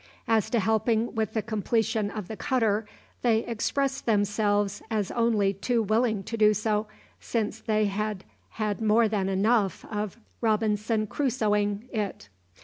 As to helping with the completion of the cutter, they expressed themselves as only too willing to do so, since they had had more than enough of "Robinson Crusoeing" it.